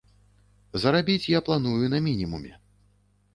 Зарабіць я планую па мінімуме.